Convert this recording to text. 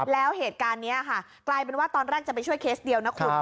แล้วเหตุการณ์นี้ค่ะกลายเป็นว่าตอนแรกจะไปช่วยเคสเดียวนะคุณ